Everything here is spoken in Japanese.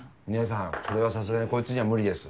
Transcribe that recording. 姐さんそれはさすがにこいつには無理です。